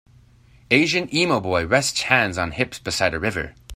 Asian emo boy rests hands on hips beside a river.